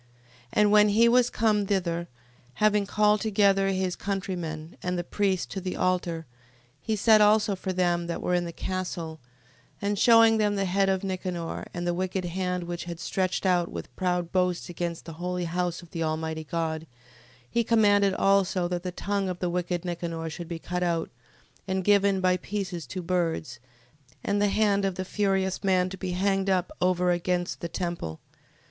15:31. And when he was come thither, having called together his countrymen, and the priests to the altar, he sent also for them that were in the castle, 15:32. And shewing them the head of Nicanor, and the wicked hand, which he had stretched out, with proud boasts, against the holy house of the Almighty God, 15:33. He commanded also, that the tongue of the wicked Nicanor should be cut out, and given by pieces to birds, and the hand of the furious man to be hanged up over against the temple.